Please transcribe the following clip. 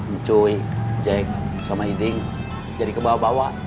mcoi jack sama iding jadi kebawa bawa